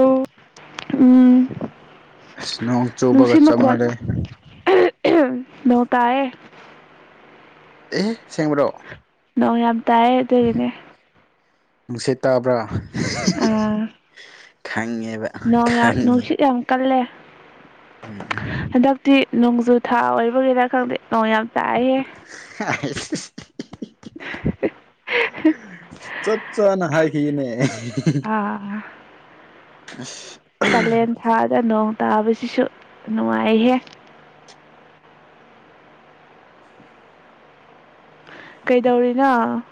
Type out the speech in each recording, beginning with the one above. [inaudible] ꯑꯁ ꯅꯣꯡ ꯆꯨꯕꯒ ꯅꯨꯡꯁꯤꯠ ꯆꯞ ꯃꯈꯣꯟ [inaudible] ꯅꯣꯡ ꯇꯥꯢꯌꯦ ꯑꯦ ꯑꯁꯦꯡꯕꯔꯣ ꯅꯣꯡ ꯌꯥꯝ ꯇꯥꯏꯌꯦ ꯑꯗꯨꯒꯤꯅꯦ ꯅꯨꯡꯁꯤꯠ ꯇꯥꯕ꯭ꯔꯥ ꯑꯥ ꯈꯪꯉꯦꯕ ꯅꯣꯡ ꯌꯥꯝ ꯈꯪꯉꯦ ꯅꯨꯡꯁꯤꯠ ꯌꯥꯝ ꯀꯜꯂꯦ ꯍꯟꯗꯛ ꯇꯤ ꯅꯣꯡꯖꯨ ꯊꯥ ꯑꯣꯏꯕꯒꯤꯔ ꯈꯪꯗꯦ ꯅꯣꯡ ꯌꯥꯝ ꯇꯥꯏꯌꯦ [inaudible] ꯆꯥꯞ ꯆꯥꯅ ꯍꯥꯏꯈꯤꯅꯦ [inaudible] [inaudible] ꯀꯥꯂꯦꯟ ꯊꯥꯗ ꯅꯣꯡ ꯇꯥꯕꯁꯤꯁꯨ ꯅꯨꯡꯉꯥꯏꯍꯦ ꯀꯩꯗꯧꯔꯤꯅꯣ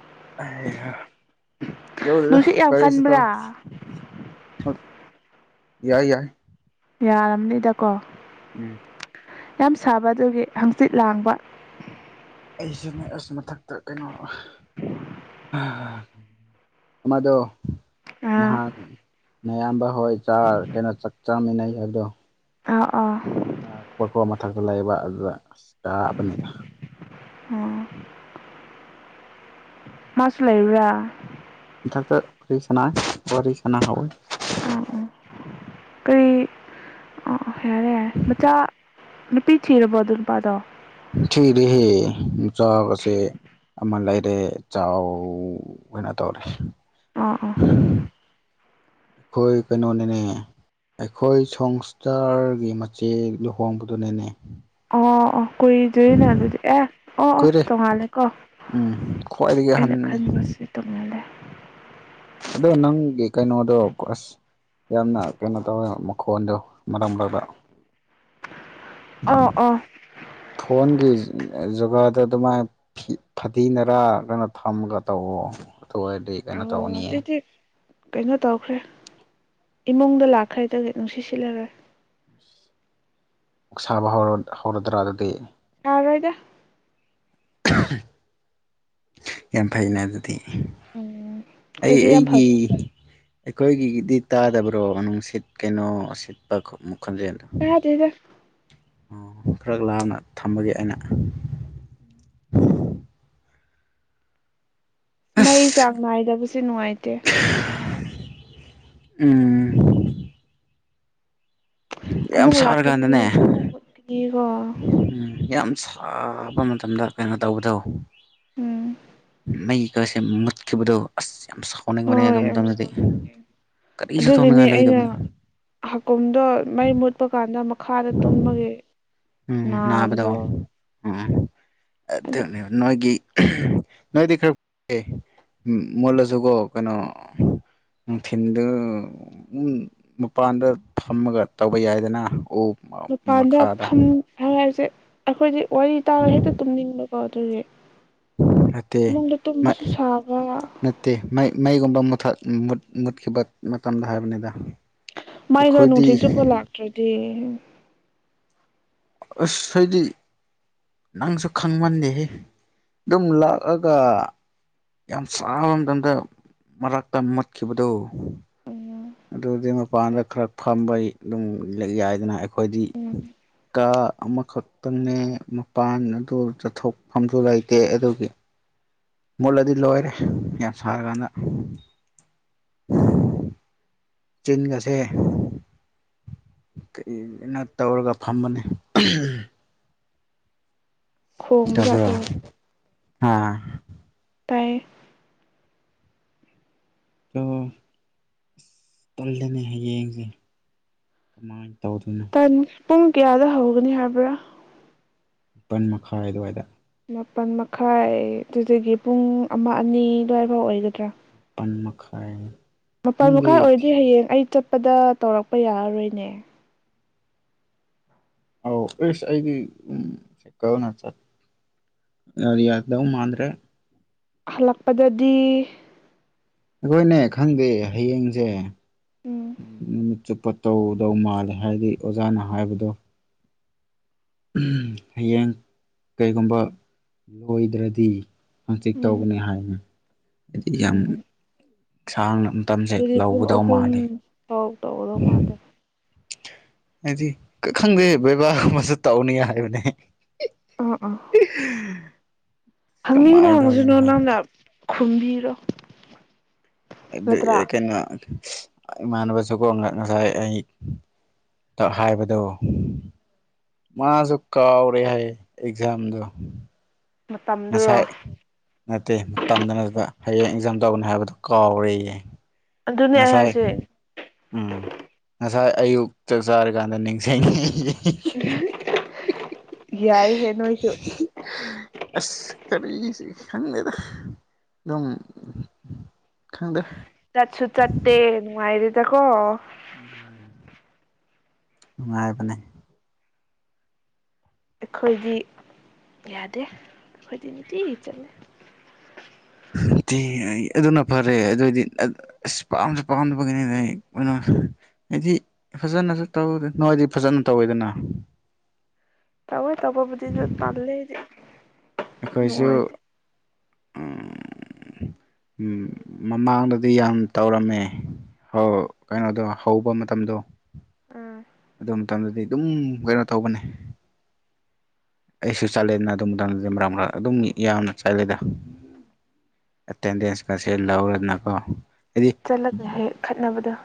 ꯅꯨꯡꯁꯤꯠ ꯌꯥꯝ ꯀꯔꯤꯁꯨ ꯇꯧ ꯀꯟꯕ꯭ꯔꯥ ꯌꯥꯏ ꯌꯥꯏ ꯌꯥꯔꯝ ꯅꯤꯗꯀꯣ ꯎꯝ ꯌꯥꯝ ꯁꯥꯕ ꯑꯗꯨꯒꯤ ꯍꯪꯆꯤꯠ ꯂꯥꯡꯕ ꯑꯩꯁꯤꯅꯦ ꯃꯊꯛꯇ ꯀꯩꯅꯣ ꯑꯃꯗꯣ ꯑꯥ ꯅꯍꯥꯟ ꯅꯌꯥꯝꯕ ꯍꯣꯏ ꯆꯥ ꯀꯩꯅꯣ ꯆꯥꯛ ꯆꯥꯃꯤꯟꯅꯩ ꯑꯗꯣ ꯑꯥ ꯑꯥ ꯉꯥꯛꯄꯣꯀꯣ ꯃꯊꯛꯇ ꯂꯩꯕ ꯑꯗꯨꯗ ꯑꯁ ꯀꯥꯛꯑꯕꯅꯤꯅ ꯑꯣ ꯃꯥꯁꯨ ꯂꯩꯥꯏꯔ꯭ꯔꯥ ꯃꯊꯛꯇꯥ ꯋꯥꯔꯤ ꯁꯅꯥ ꯋꯥꯔꯤ ꯁꯟꯅꯍꯥꯌꯦ ꯑꯥ ꯑꯥ ꯀꯔꯤ [unintelligible] ꯑꯥ ꯑꯣ ꯌꯥꯔꯦ ꯌꯥꯔꯦ ꯃꯆꯥ ꯅꯨꯄꯤ ꯊꯤꯔꯕꯣ ꯑꯗꯨ ꯅꯨꯄꯥꯗꯣ ꯊꯤꯔꯦ ꯍꯦ ꯃꯆꯥꯀꯁꯦ ꯑꯃ ꯂꯩꯔꯦ ꯆꯥꯎ ꯀꯩꯅꯣ ꯇꯧꯔꯦ ꯑꯣ ꯑꯣ ꯈꯣꯏ ꯀꯩꯅꯣꯅꯤꯅꯦ ꯑꯩꯈꯣꯏ ꯁꯣꯡꯁꯇꯥꯔꯒꯤ ꯃꯆꯦ ꯂꯨꯍꯣꯡꯕꯗꯨꯅꯦꯅꯦ ꯑꯣ ꯑꯣ ꯀꯨꯏꯗꯣꯏꯅꯦ ꯑꯗꯨꯗꯤ ꯑꯦ ꯑꯣ ꯑꯣ ꯇꯣꯡꯉꯥꯜꯂꯦ ꯀꯣ ꯈ꯭ꯋꯥꯏꯔꯤ ꯑꯍꯟꯅꯤ [unintelligible] ꯑꯗꯣ ꯅꯪꯒꯤ ꯀꯩꯅꯣꯗꯣ ꯑꯁ ꯌꯥꯝꯅ ꯀꯩꯅꯣ ꯇꯧꯋꯦ ꯃꯈꯣꯟꯗꯣ ꯃꯔꯝ ꯃꯔꯛꯇꯥ ꯑꯣ ꯑꯣ ꯐꯣꯟꯒꯤ ꯖꯨꯒꯥꯗ ꯑꯗꯨꯃꯥꯏꯅ ꯐꯗꯤꯅꯔꯥ ꯊꯝꯃꯒ ꯇꯧꯋꯣ ꯑꯗꯨ ꯑꯣꯏꯔꯗꯤ ꯀꯩꯅꯣ ꯇꯧꯅꯤꯌꯦ [unintelligible] ꯀꯩꯅꯣ ꯇꯧꯈ꯭ꯔꯦ ꯏꯃꯨꯡꯗ ꯂꯥꯛꯈ꯭ꯔꯗꯒꯤ ꯅꯨꯡꯁꯤꯠ ꯁꯤꯠꯂꯔꯦꯏ ꯑꯣꯛ ꯁꯥꯕ ꯍꯧꯔꯣꯏꯗ꯭ꯔꯥ ꯑꯗꯨꯗꯤ ꯌꯥꯥꯔꯣꯏꯗ [unintelligible] ꯌꯥꯝ ꯐꯩꯅꯦ ꯑꯗꯨꯗꯤ ꯎꯝ ꯑꯩ ꯑꯩꯈꯣꯏꯗꯤ ꯌꯥꯝ ꯑꯩꯒꯤ ꯐꯕ ꯑꯩꯈꯣꯏꯒꯤꯒꯤꯗꯤ ꯇꯥꯗꯕ꯭ꯔꯣ ꯅꯨꯡꯁꯤꯠ ꯀꯩꯅꯣ ꯁꯤꯠꯄ ꯈꯣꯟ ꯃꯈꯣꯟꯖꯦꯜꯗꯣ ꯀꯔꯥꯏꯗꯩꯅꯣ ꯑꯣ ꯈꯔ ꯂꯥꯞꯅ ꯊꯝꯕꯒꯤ ꯑꯩꯅ ꯃꯩ ꯑꯁ ꯆꯥꯡ ꯅꯥꯏꯗꯕꯁꯦ ꯅꯨꯡꯉꯥꯏꯇꯦ ꯎꯝ ꯌꯥꯝ ꯑꯃꯨꯛ ꯂꯥꯛꯀꯅꯤ ꯁꯥꯔꯀꯥꯟꯗꯅꯦ ꯑꯃꯨꯛ ꯃꯨꯠꯀꯅꯤ ꯀꯣ ꯎꯝ ꯌꯥꯝ ꯁꯥꯕ ꯃꯇꯝꯗ ꯀꯩꯅꯣ ꯇꯧꯕꯗꯣ ꯎꯝ ꯃꯩ ꯀꯥꯁꯦ ꯃꯠꯈꯤꯕꯗꯣ ꯑꯁ ꯌꯥꯝ ꯁꯥ ꯁꯥꯎꯅꯤꯡꯕꯅꯦꯍꯦ ꯍꯣꯏ ꯑꯗꯨ ꯌꯥꯝ ꯃꯇꯝꯗꯗꯤ ꯁꯥꯎꯅꯤꯡꯉꯦ ꯀꯔꯤꯁꯨ ꯑꯗꯨꯒꯤꯅꯦ ꯇꯧꯅꯤꯡꯉꯥꯏ ꯑꯩꯅ ꯂꯩꯗꯕꯅꯤ ꯍꯥꯀꯨꯝꯗꯣ ꯃꯩ ꯃꯨꯠꯄ ꯀꯥꯟꯗ ꯃꯈꯥꯗ ꯇꯨꯝꯕꯒꯤ ꯎꯝ ꯅꯥꯕꯗꯣ ꯎꯝ ꯑꯗꯨ ꯑꯗꯨꯅꯦꯕ ꯅꯣꯏꯒꯤ ꯅꯣꯏꯗꯤ ꯈꯔ ꯑꯦ ꯃꯨꯜꯂꯖꯨꯀꯣ ꯀꯩꯅꯣ ꯅꯨꯡꯊꯤꯟꯗꯨ ꯎꯟ ꯃꯄꯥꯟꯗ ꯐꯝꯃꯒ ꯇꯧꯕ ꯌꯥꯏꯗꯅ ꯎ ꯃꯄꯥꯟꯗ ꯃꯈꯥꯗ ꯐꯝ ꯍꯥꯏ ꯍꯥꯏꯖꯦ ꯑꯩꯈꯣꯏꯗꯤ ꯋꯥꯔꯤ ꯇꯥꯔ ꯍꯦꯛꯇ ꯇꯨꯝꯅꯤꯡꯕ ꯍꯣ ꯑꯗꯨꯒꯤ ꯅꯠꯇꯦ ꯐꯃꯨꯡꯗ ꯇꯨꯝꯕꯁꯨ ꯁꯥꯕ ꯇꯦ ꯃꯩ ꯃꯩꯒꯨꯝꯕ ꯃꯨꯊꯠ ꯃꯨꯠ ꯃꯨꯠꯈꯤꯕ ꯃꯇꯝꯗ ꯍꯥꯏꯕꯅꯤꯗ ꯃꯩꯗꯣ ꯑꯩꯈꯣꯏꯗꯤ ꯅꯨꯡꯊꯤꯜ ꯆꯨꯞꯄꯣ ꯂꯥꯛꯇ꯭ꯔꯗꯤ ꯑꯁ ꯍꯥꯏꯗꯤ ꯅꯪꯁꯨ ꯈꯪꯃꯟꯗꯦꯍꯦ ꯑꯗꯨꯝ ꯂꯥꯛꯑꯒ ꯌꯥꯝ ꯁꯥꯕ ꯃꯇꯝꯗ ꯃꯔꯛꯇ ꯃꯨꯠꯈꯤꯕꯗꯣ ꯑꯗꯨꯗꯤ ꯃꯄꯥꯟꯗ ꯈꯔ ꯐꯝꯕꯩ ꯑꯗꯨꯝ ꯌꯥ ꯌꯥꯏꯗꯅ ꯑꯩꯈꯣꯏꯗꯤ ꯀꯥ ꯑꯃꯈꯛꯇꯪꯅꯦ ꯃꯄꯥꯟ ꯑꯗꯨ ꯆꯠꯊꯣꯛꯐꯝꯁꯨ ꯂꯩꯇꯦ ꯑꯗꯨꯒꯤ ꯃꯨꯠꯂꯗꯤ ꯂꯣꯏꯔꯦ ꯌꯥꯝ ꯁꯥꯔꯀꯥꯟꯗ ꯆꯤꯟꯒꯁꯦ ꯀꯩꯅꯣ ꯇꯧꯔꯒ ꯐꯝꯕꯅꯦ ꯈꯣꯡꯕ ꯇꯥꯕ꯭ꯔꯣ ꯖꯥꯠꯇꯨꯔꯣ ꯍꯥ ꯇꯥꯏꯌꯦ ꯂꯣ ꯑꯁ ꯇꯜꯂꯤꯅꯦ ꯍꯌꯦꯡꯁꯦ ꯀꯃꯥꯏꯟ ꯇꯧꯗꯣꯏꯅꯣ ꯍꯟ ꯄꯨꯡ ꯀꯌꯥꯗ ꯍꯧꯒꯅꯤ ꯍꯥꯏꯕ꯭ꯔꯥ ꯄꯟ ꯃꯈꯥꯏ ꯑꯗꯨꯋꯥꯏꯗ ꯃꯥꯄꯟ ꯃꯈꯥꯏ ꯑꯗꯨꯗꯒꯤ ꯄꯨꯡ ꯑꯃ ꯑꯅꯤ ꯑꯗꯨꯋꯥꯏꯐꯥꯎ ꯑꯣꯏꯒꯗ꯭ꯔꯥ ꯄꯟ ꯃꯈꯥꯏ ꯃꯄꯜ ꯈꯪꯗꯦ ꯃꯈꯥꯏ ꯑꯣꯏꯔꯗꯤ ꯍꯌꯦꯡ ꯑꯩ ꯆꯠꯄꯗ ꯇꯧꯔꯛꯄ ꯌꯥꯔꯔꯣꯏꯅꯦ ꯑꯧ ꯑꯦꯁ ꯑꯩꯒꯤ ꯎꯝ [unintelligible] ꯆꯠ ꯉꯔꯤꯌꯥꯗꯧ ꯃꯥꯥꯟꯗ꯭ꯔꯦ ꯈꯜꯂꯛꯄꯗꯗꯤ ꯑꯈꯣꯏꯅꯦ ꯈꯪꯗꯦ ꯍꯌꯦꯡꯁꯦ ꯎꯝ ꯅꯨꯃꯤꯠ ꯆꯨꯞꯄ ꯇꯧꯗꯧ ꯃꯥꯜꯂꯦ ꯍꯥꯏꯗꯤ ꯑꯣꯖꯥꯅ ꯍꯥꯏꯕꯗꯣ ꯍꯌꯦꯡ ꯀꯩꯒꯨꯝꯕ ꯂꯣꯏꯗ꯭ꯔꯗꯤ ꯍꯪꯆꯤꯠ ꯎꯝ ꯇꯧꯒꯅꯤ ꯍꯥꯏꯝ ꯍꯥꯏꯗꯤ ꯌꯥꯝ ꯎꯝ ꯎꯝ ꯁꯥꯡꯅ ꯇꯝꯁꯦ ꯑꯗꯨꯗꯤ ꯄꯨꯡ ꯂꯧꯒꯗꯧ ꯑꯍꯨꯝ ꯃꯥꯜꯂꯦ ꯐꯥꯎ ꯇꯧꯒꯗꯧ ꯃꯥꯜꯂꯦ ꯍꯥꯏꯗꯤ ꯈꯪꯗꯦ ꯕꯩꯕꯕꯥꯒꯨꯝꯁꯨ ꯇꯧꯅꯤ ꯍꯥꯏꯕꯅꯦ ꯑꯣ ꯑꯣ ꯍꯪꯅꯤꯡꯕ ꯀꯃꯥꯏꯅ ꯍꯪꯁꯤꯅꯨ ꯇꯧꯗꯣꯏꯅꯣ ꯈꯪꯗꯦ ꯅꯪꯅ ꯈꯨꯝꯕꯤꯔꯣ ꯅꯠꯇ꯭ꯔꯥ [unintelligible] ꯏꯃꯥꯟꯅꯕꯁꯨꯀꯣ ꯉꯁꯥꯏ ꯑꯩ ꯍꯥꯏꯕꯗꯨ ꯃꯥꯁꯨ ꯀꯥꯎꯔꯦ ꯍꯥꯏ ꯑꯦꯛꯖꯥꯝꯗꯣ ꯃꯇꯝꯗꯨꯔꯣ ꯉꯁꯥꯏ ꯅꯠꯇꯦ ꯇꯝꯗꯅꯅꯕ ꯍꯌꯦꯡ ꯑꯦꯛꯖꯥꯝ ꯇꯧꯒꯅꯤ ꯍꯥꯏꯕꯗꯨ ꯀꯥꯎꯔꯦꯌꯦ ꯑꯗꯨꯅꯦ ꯑꯩ ꯉꯁꯥꯏ ꯍꯥꯏꯁꯦ ꯎꯝ ꯉꯁꯥꯏ ꯑꯌꯨꯛ ꯆꯥꯛ ꯆꯥꯔꯀꯥꯟꯗ ꯅꯤꯡꯁꯤꯡꯉ [inaudible] ꯌꯥꯏꯍꯦ ꯅꯣꯏꯁꯨ [unintelligible] ꯑꯁ ꯀꯔꯤꯁꯤ ꯈꯪꯗꯦꯗ ꯑꯗꯨꯝ ꯈꯪꯗꯦ ꯆꯠꯁꯨ ꯆꯠꯇꯦ ꯅꯨꯡꯉꯥꯏꯔ°ꯗꯀꯣ ꯅꯨꯡꯉꯥꯏꯕꯅꯦ ꯑꯩꯈꯣꯏꯗꯤ ꯌꯥꯗꯦ ꯑꯩꯈꯣꯏꯗꯤ ꯅꯨꯡꯇꯤꯒꯤ ꯆꯠꯂꯦ [inaudible] ꯑꯗꯨꯅ ꯐꯔꯦ ꯑꯗꯨ ꯑꯣꯏꯗꯤ ꯑꯁ ꯄꯥꯝꯁꯨ ꯄꯥꯝꯗꯕꯒꯤꯅꯤ ꯀꯩꯅ ꯍꯥꯏꯗꯤ ꯐꯖꯅꯁꯨ ꯇꯧꯗꯦ ꯅꯣꯏꯗꯤ ꯐꯖꯅ ꯇꯧꯋꯤꯗꯅ ꯇꯑꯣ ꯇꯕꯣꯕꯨꯗꯤ ꯗꯨ ꯇꯜꯔ° ꯑꯩꯗꯤ ꯑꯩꯈꯣꯏꯁꯨ ꯅꯨꯡꯉꯥꯏꯇꯦ ꯃꯃꯥꯡꯗꯗꯤ ꯌꯥꯝ ꯇꯧꯔꯝꯃꯦ ꯍꯧ ꯀꯩꯅꯣꯗꯣ ꯍꯧꯕ ꯃꯇꯝꯗꯣ ꯎꯝ ꯑꯗꯨ ꯃꯇꯝꯗꯗꯤ ꯑꯗꯨꯝ ꯀꯩꯅꯣ ꯇꯧꯕꯅꯦ ꯑꯩꯁꯨ ꯆꯠꯂꯦꯗꯅ ꯑꯗꯨ ꯃꯇꯝꯗꯗꯤ ꯃꯔꯛ ꯃꯔꯛ ꯑꯗꯨꯝ ꯌꯥꯝꯅ ꯆꯠꯂꯦꯗ ꯑꯦꯇꯦꯟꯗꯦꯟꯁꯀꯁꯦ ꯂꯧꯔꯗꯅꯀꯣ ꯍꯥꯏꯗꯤ ꯆꯠꯂꯒ ꯍꯦꯛ ꯈꯠꯅꯕꯗꫭ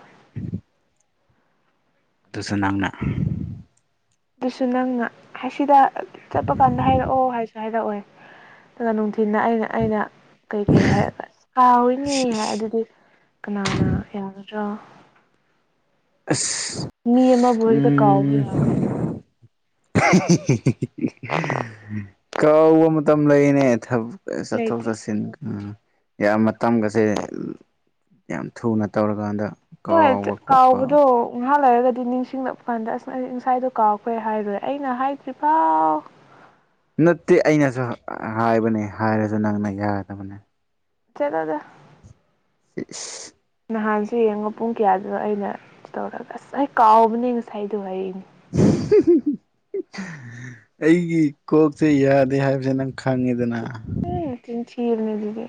ꯑꯗꯨꯁꯨ ꯅꯪꯅ ꯑꯗꯨꯁꯨ ꯅꯪ ꯁꯤꯗ ꯆꯠꯄ ꯀꯥꯟꯗ ꯍꯥꯏꯔꯛꯑꯣ ꯍꯥꯏꯁꯨ ꯍꯥꯏꯔꯛꯑꯣꯏ ꯑꯗꯨꯒ ꯅꯨꯡꯊꯤꯅ ꯑꯩꯅ ꯑꯩꯅ ꯀꯩ ꯀꯩ ꯍꯥꯏꯔꯒ ꯀꯥꯎꯣꯏꯅꯦ ꯍꯥꯏ ꯑꯗꯨꯗꯤ ꯀꯅꯥꯅ ꯌꯥꯒꯗ꯭ꯔꯣ ꯑꯁ ꯃꯤ ꯑꯃꯕꯨ ꯍꯦꯛꯇ ꯀꯥꯎꯕ ꯎꯝꯝ ꯌꯥꯕ꯭ꯔꯥ ꯀꯥꯎꯕ ꯃꯇꯝ ꯂꯩꯅꯦ ꯊꯕꯛ ꯆꯠꯊꯣꯛ ꯂꯩꯇꯦ ꯆꯠꯁꯤꯟ ꯎꯝ ꯌꯥꯝ ꯃꯇꯝꯒꯁꯦ ꯌꯥꯝ ꯊꯨꯅ ꯇꯧꯔꯀꯥꯟꯗ ꯍꫭꯏ ꯀꯥꯎꯕ ꯈꯣꯠꯄ ꯀꯥꯎꯕꯗꫭ ꯉꯍꯥꯛ ꯂꯩꯔꯒꯗꯤ ꯅꯤꯡꯁꯤꯡꯂꯛꯄ ꯀꯥꯟꯗ ꯑꯁ ꯑꯩ ꯉꯪꯁꯥꯏꯗꯣ ꯀꯥꯎꯔꯛꯈ꯭ꯔꯦ ꯍꯥꯏꯔꯣꯏ ꯑꯩꯅ ꯍꯥꯏꯗ꯭ꯔꯤꯐꯥꯎ ꯅꯠꯇꯦ ꯑꯩꯅꯁꯨ ꯍꯥꯏꯕꯅꯦ ꯍꯥꯏꯔꯁꯨ ꯅꯪꯅ ꯌꯥꯗꯕꯅꯦ ꯆꯠꯔꫭꯗꯥ [inaudible] ꯅꯍꯥꯟꯁꯨ ꯌꯦꯡꯉꫭ ꯄꯨꯡ ꯀꯌꯥꯗꯣ ꯑꯩꯅ ꯇꯧꯔꯒ ꯑꯁ ꯑꯩ ꯀꯥꯎꯕꯅꯦ ꯉꯁꯥꯏꯗꯨ ꯍꯥꯏꯌꯦꯅꯦ [inaudible] ꯑꯩꯒꯤ ꯀꯣꯛꯁꯦ ꯌꯥꯗꯦ ꯍꯥꯏꯕꯁꯦ ꯅꯪ ꯈꯪꯉꯦꯗꯅ ꯅꯆꯤꯟ ꯊꯤꯕꯅꯤ ꯑꯗꯨꯗꯤ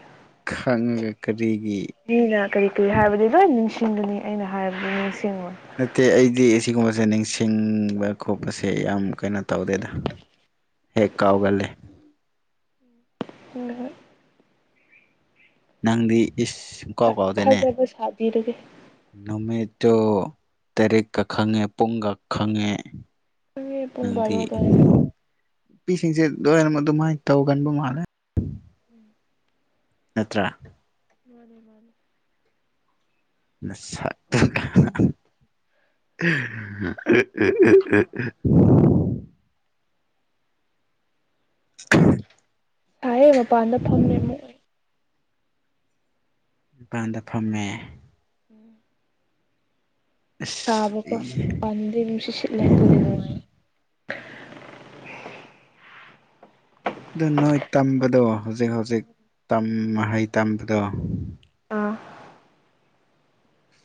ꯈꯪꯉꯒꯥ ꯀꯔꯤꯒꯤ ꯃꯤꯅ ꯀꯔꯤ ꯀꯔꯤ ꯍꯥꯏꯕꯗꯤ ꯂꯣꯏ ꯅꯤꯡꯁꯤꯡꯒꯅꯤ ꯑꯩꯅ ꯍꯥꯏꯕꯗꯤ ꯅꯤꯡꯁꯤꯡꯉꯣꯏ ꯅꯠꯇꯦ ꯑꯩꯗꯤ ꯑꯁꯤꯒꯨꯝꯕꯁꯦ ꯅꯤꯡꯁꯤꯡꯕ ꯈꯣꯠꯄꯁꯦ ꯌꯥꯝ ꯀꯩꯅꯣ ꯇꯧꯗꯦꯗ ꯍꯦꯛ ꯀꯥꯎꯒꯜꯂꯦ ꯍꯣꯢ ꯍꯣꯢ ꯅꯪꯗꯤ ꯏꯁ ꯁꯨꯀꯥꯎ ꯀꯥꯎꯗꯦꯅꯦ ꯊꯥꯖꯕ ꯁꯥꯕꯤꯔꯒꯦ ꯅꯨꯃꯤꯠꯇꯨ ꯇꯔꯦꯛꯀ ꯈꯪꯉꯦ ꯄꯨꯡꯒ ꯈꯪꯉꯦ ꯈꯪꯉꯦ ꯄꯨꯡ ꯕꯥꯔꯣ ꯅꯪꯗꯤ ꯑꯗꯨꯋꯥꯏꯗ ꯅꯨꯄꯤꯁꯤꯡꯁꯦ ꯂꯣꯢꯅꯃꯛ ꯑꯗꯨꯃꯥꯢꯅ ꯇꯧꯒꯟꯕ ꯃꯥꯜꯂꯦ ꯎꯝ ꯅꯠꯇ꯭ꯔꯥ ꯃꯥꯅꯦ ꯃꯥꯅꯦ ꯅ ꯁꯠ [unintelligible] [unintelligible] [unintelligible] ꯊꯥꯢꯑꯦ ꯃꯄꯥꯟꯗ ꯐꯝꯃꯦ ꯑꯃꯨꯛ ꯀꯥꯟꯗ ꯐꯝꯃꯦ ꯎꯝ ꯑꯁ ꯁꯥꯥꯕꯀꯣ ꯄꯥꯟꯗꯤ ꯅꯨꯡꯁꯤꯠ ꯁꯤꯠꯂꯦ ꯑꯗꯨꯗꯤꯅꯨꯡꯉꯥꯢꯌꯦ ꯑꯗꯨ ꯅꯣꯢ ꯇꯝꯕꯗꯣ ꯍꯧꯖꯤꯛ ꯍꯧꯖꯤꯛ ꯇꯝ ꯃꯍꯩ ꯇꯝꯕꯗꯣ ꯑꯥ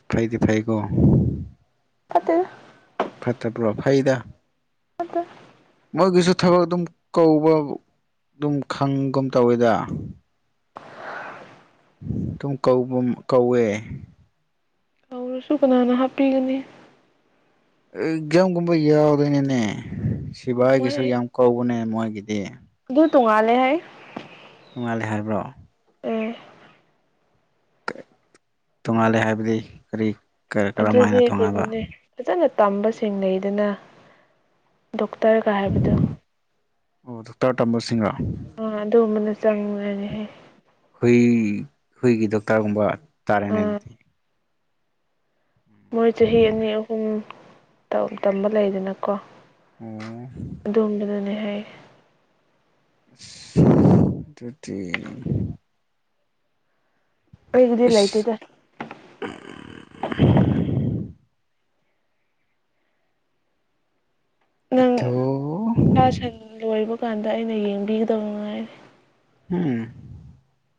ꯐꯩꯗꯤ ꯐꯩꯀꯣ ꯐꯠꯇꯦꯗ ꯐꯠꯇꯕ꯭ꯔꯣ ꯐꯩꯗ ꯐꯠꯇ ꯃꯣꯢꯒꯤꯁꯨ ꯊꯕꯛ ꯑꯗꯨꯝ ꯀꯧꯕ ꯑꯗꯨꯝ ꯈꯪꯒꯨꯝ ꯇꯧꯋꯤꯗ ꯑꯗꯨꯨꯝ ꯀꯧꯕꯝ ꯀꯧꯋꯦ ꯇꯧꯔꯁꯨ ꯀꯅꯥꯅ ꯍꯥꯞꯄꯤꯒꯅꯤ ꯑꯦꯛꯖꯥꯝꯒꯨꯝꯕ ꯌꯥꯎꯗꯣꯢꯅꯤꯅꯦ ꯃꯣꯏ ꯁꯤꯕꯥꯢꯒꯤꯁꯨ ꯌꯥꯝ ꯀꯧꯕꯅꯦ ꯃꯣꯢꯒꯤꯗꯤ ꯑꯗꯨ ꯇꯣꯡꯉꯥꯜꯂꯦꯍꯦ ꯅꯣꯡꯉꯥꯜꯂꯦ ꯍꯥꯢꯕ꯭ꯔꯣ ꯑꯦ ꯇꯣꯡꯉꯥꯜꯂꯦ ꯍꯥꯢꯕꯗꯤ ꯀꯔꯤ ꯀꯔꯝ ꯍꯥꯏꯅ ꯑꯗꯨꯗꯤ ꯇꯣꯡꯉꯥꯟꯕ ꯀꯩꯅꯣꯅꯦ ꯐꯖꯅ ꯇꯝꯕ ꯁꯦꯡꯅꯩꯗꯅ ꯗꯣꯛꯇꯔꯒ ꯍꯥꯢꯕꯗꯣ ꯑꯣ ꯗꯣꯛꯇꯔ ꯇꯝꯕꯁꯤꯡꯔꯣ ꯑ ꯑꯗꯨꯒꯨꯝꯕꯅꯦ ꯆꯪꯉꯨꯔꯅꯤꯍꯦ ꯍꯨꯢ ꯍꯨꯢꯒꯤ ꯗꯣꯛꯇꯔꯒꯨꯝꯕ ꯇꯥꯔꯦꯅꯦ ꯑꯥ ꯑꯗꯨꯗꯤ ꯃꯣꯏ ꯆꯍꯤ ꯑꯅꯤ ꯑꯍꯨꯝ ꯇꯝꯕ ꯂꯩꯗꯅꯀꯣ ꯑꯣ ꯑꯗꯣꯝꯗꯔ ꯅꯦꯍꯦ ꯊꯥꯔꯇꯤ ꯑꯩꯩꯒꯤꯗꯤ ꯏꯁ ꯂꯩꯇꯦꯗ ꯑꯗꯨ ꯍꯦꯛ ꯂꯣꯢꯕ ꯀꯥꯟꯗ ꯑꯩꯅ ꯌꯦꯡꯕꯤꯒꯗꯕ ꯉꯥꯏꯔꯦ ꯎꯝ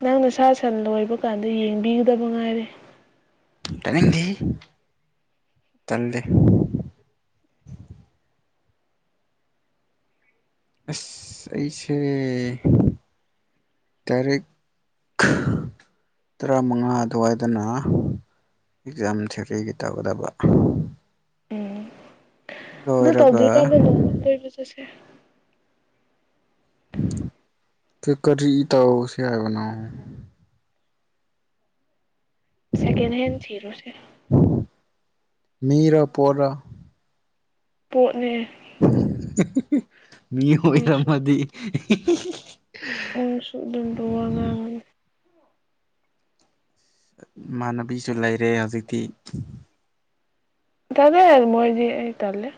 ꯅꯪ ꯅꯁꯥ ꯁꯟ ꯂꯣꯢꯕ ꯀꯥꯟꯗ ꯌꯦꯡꯕꯤꯒꯗꯕ ꯉꯥꯢꯔꯦ ꯇꯥꯅꯤꯡꯗꯦꯍꯦ ꯇꯜꯂꯦ ꯑꯁ ꯑꯩꯁꯦ ꯗꯥꯢꯔꯦꯛ [unintelligible] ꯇꯔꯥꯃꯉꯥ ꯑꯗꯨꯋꯥꯏꯢꯗꯅ ꯑꯦꯛꯖꯥꯝ ꯊꯦꯇ꯭ꯔꯦꯒꯤ ꯇꯧꯒꯗꯕ ꯗꯨ ꯂꯣꯏꯔꯒ ꯇꯧꯗ꯭ꯔꯤꯀꯥꯟꯗ ꯅꯣꯡꯅ ꯀꯣꯏꯕ ꯆꯁꯦ ꯀ ꯀꯔꯤ ꯇꯧꯁꯦ ꯍꯥꯏꯕꯅꯣ ꯁꯦꯀꯦꯟ ꯍꯦꯟ ꯊꯤꯔꯨꯁꯦ ꯃꯤꯔ ꯄꯣꯔ ꯄꯣꯠꯅꯦ ꯃꯤ ꯅꯪꯁꯨ ꯑꯣꯏꯔꯝꯃꯗꯤ ꯅꯪꯁꯨ ꯑꯗꯨꯝꯕ ꯋꯥ ꯉꯥꯡꯉꯦ ꯃꯥꯟꯅꯕꯤꯖꯨ ꯂꯩꯔꯦ ꯍꯧꯖꯤꯛꯇꯤ ꯇꯜꯂꯦ ꯃꯣꯏꯗꯤ ꯑꯩ ꯇꯜꯂꯦ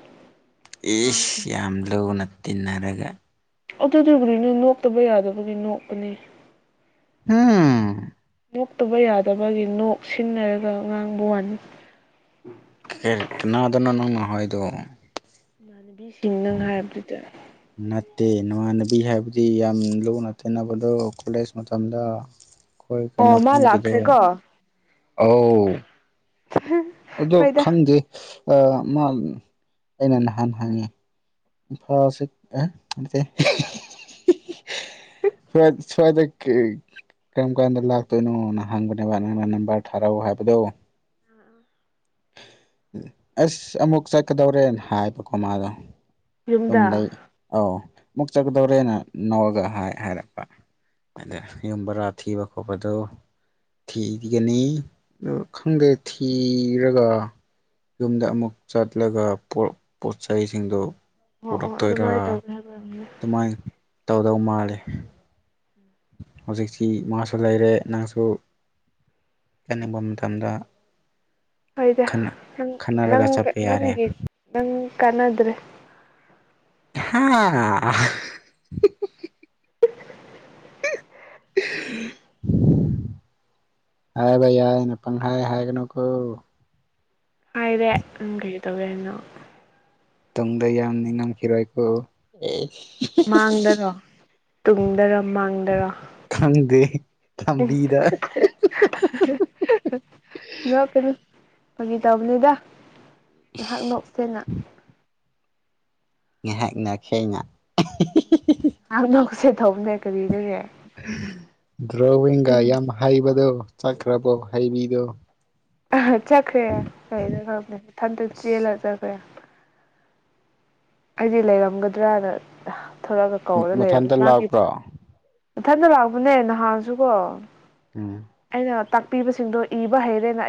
ꯏꯁ ꯑꯉꯥꯡꯁꯤꯡ ꯌꯥꯝ ꯂꯨꯅ ꯇꯤꯟꯅꯔꯒ ꯑꯗꯨꯗꯨꯕꯨꯗꯤꯅꯦ ꯅꯣꯛꯇꯕ ꯌꯥꯗꯕꯒꯤ ꯅꯣꯛꯄꯅꯤ ꯍꯝ ꯅꯣꯛꯇꯕ ꯌꯥꯗꯕꯒꯤ ꯅꯣꯛ ꯁꯤꯟꯅꯔꯒ ꯉꯥꯡꯕ ꯋꯥꯅꯤ ꯍꯦ ꯀꯅꯥꯔꯗꯅꯣ ꯅꯪꯅ ꯍꯥꯏꯗꯣ ꯏꯃꯥꯟꯅꯕꯤꯁꯤꯡ ꯅꯪ ꯍꯥꯏꯕꯗꯨꯗ ꯅꯠꯇꯦ ꯅꯃꯥꯟꯅꯕꯤ ꯍꯥꯏꯕꯗꯤ ꯌꯥꯝ ꯂꯨꯅ ꯇꯦꯅꯕꯗꯣ ꯀꯣꯂꯦꯖ ꯃꯇꯝꯗ ꯈꯣꯏ ꯀꯩꯅꯣ ꯑꯣ ꯃꯥ ꯈꯨꯟꯒꯤꯗꯣ ꯂꯥꯛꯈ꯭ꯔꯦꯀꯣ ꯑꯧ [unintelligible] ꯑꯗꯣ ꯈꯪꯗꯦ ꯑ ꯃꯥ ꯑꯩꯅ ꯅꯍꯥꯟ ꯍꯪꯉꯦ ꯏꯐꯥ ꯁꯤꯛ ꯑꯦ ꯅꯠꯇꯦ [inaudible] ꯁ꯭ꯋꯥꯏ ꯁ꯭ꯋꯥꯏꯗ ꯀꯦ ꯀꯔꯝ ꯀꯥꯟꯗ ꯂꯥꯛꯇꯣꯏꯅꯣꯅ ꯍꯪꯕꯅꯦꯕ ꯅꯪꯅ ꯅꯝꯕꯔ ꯊꯥꯔꯧ ꯍꯥꯏꯕꯗꯣ [inaudible] ꯑꯁ ꯑꯃꯨꯛ ꯆꯠꯀꯗꯧꯔꯦꯅ ꯍꯥꯏꯕꯀꯣ ꯃꯥꯗꯣ ꯑꯗꯨꯨꯝ ꯌꯨꯝꯗ ꯂꯩ ꯑꯧ ꯃꯨꯛ ꯆꯠꯀꯗꯧꯔꯦꯅ ꯅꯧꯔꯒ ꯍꯥꯏ ꯍꯥꯏꯔꯛꯄ ꯑꯗ ꯌꯨꯝ ꯕꯔꯥ ꯊꯤꯕ ꯈꯣꯠꯄꯗꯣ ꯊꯤꯕꯤꯒꯅꯤ ꯗꯨ ꯈꯪꯗꯦ ꯊꯤꯔꯒ ꯌꯨꯝꯗ ꯑꯃꯨꯛ ꯆꯠꯂꯒ ꯄꯣꯔꯛ ꯄꯣꯠ ꯆꯩꯁꯤꯡꯗꯣ ꯑꯣ ꯑꯣ ꯑꯗꯨꯃꯥꯏ ꯇꯧꯅꯦ ꯍꯥꯏꯕ꯭ꯔ [unintelligible] ꯃꯥꯏꯟ ꯇꯧꯗꯧ ꯃꯥꯜꯂꯦ ꯍꯧꯖꯤꯛꯁꯤ ꯃꯥꯁꯨ ꯂꯩꯔꯦ ꯅꯪꯁꯨ ꯆꯅꯤꯡꯕ ꯃꯇꯝꯗ ꯍꯣꯏꯗ ꯈꯟꯅ ꯅꯪ ꯅꯪ ꯈꯟꯅꯔꯒ ꯆꯠꯄ ꯌꯥꯔꯦ ꯅꯪꯒꯤ ꯅꯪ ꯀꯥꯟꯅꯗ꯭ꯔꯦ ꯍꯥ ꯍꯥꯏꯕ ꯌꯥꯏꯅ ꯄꯪꯍꯥꯏ ꯍꯥꯏꯒꯅꯨꯀꯣ ꯍꯥꯏꯔꯦ ꯎꯝ ꯀꯩ ꯇꯧꯒꯦ ꯍꯥꯏꯅꯣ ꯇꯨꯡꯗ ꯌꯥꯝ ꯅꯤꯡꯉꯝꯈꯤꯔꯣꯏ ꯑꯦ ꯇꯨꯡꯗꯔꯥ ꯃꯥꯡꯗꯔꯥ ꯈꯪꯗꯦ ꯂꯝꯕꯤꯗ ꯅꯣꯀꯅꯨ ꯐꯒꯤ ꯇꯧꯕꯅꯤꯗ ꯉꯍꯥꯛ ꯅꯣꯛꯁꯦꯅ ꯉꯥꯏꯍꯥꯛ ꯅꯣꯛꯁꯦꯅ ꯉꯥꯛ ꯅꯣꯛꯁꯦ ꯊꯧꯕꯅꯦ ꯗ꯭ꯔꯣꯋꯤꯡꯒ ꯑꯗꯨꯝ ꯌꯥꯝ ꯍꯩꯕꯗꯣ ꯆꯠꯈ꯭ꯔꯕꯣ ꯍꯩꯕꯤꯗꯣ ꯆꯈ꯭ꯔꯦ ꯀꯩꯅꯣ ꯈꯪꯗꯦ ꯃꯊꯟꯗ ꯑꯁ ꯆꯦꯜꯂ ꯆꯠꯈ꯭ꯔꯦ ꯑꯩꯗꯤ ꯂꯩꯔꯝꯒꯗ꯭ꯔꯅ ꯑꯍ ꯊꯕꯛ ꯑꯃ ꯀꯧꯔ ꯂꯩꯔꯝꯃꯦ ꯃꯊꯟꯇ ꯃꯥꯒꯤ ꯂꯥꯛꯄ꯭ꯔꯣ ꯏꯊꯟꯗ ꯂꯥꯛꯄꯅꯦ ꯅꯍꯥꯟꯁꯨꯀꯣ ꯎꯝ ꯑꯩꯅ ꯇꯥꯛꯄꯤꯕꯁꯤꯡꯗꯣ ꯏꯕ ꯍꯩꯔꯦꯅ ꯑꯩ__